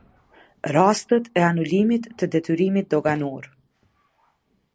Rastet e anulimit të detyrimit doganor.